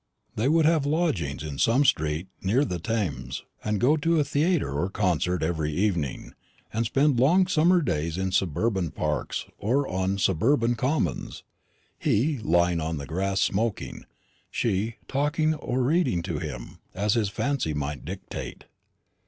They would have lodgings in some street near the Thames, and go to a theatre or a concert every evening, and spend long summer days in suburban parks or on suburban commons, he lying on the grass smoking, she talking to him or reading to him, as his fancy might dictate.